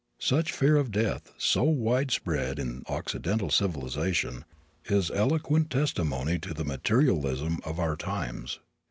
Such fear of death, so widespread in Occidental civilization, is eloquent testimony to the materialism of our times.